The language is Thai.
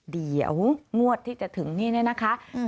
เดี๋ยวงวดที่จะถึงนี่นะนะคะอืม